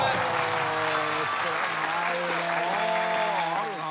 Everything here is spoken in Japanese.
あるな。